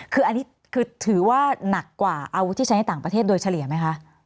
คืออันนี้คือถือว่าหนักกว่าอาวุธที่ใช้ในต่างประเทศโดยเฉลี่ยไหมคะ